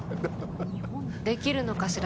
できるのかしら？